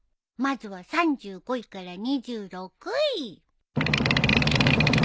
まずは３５位から２６位。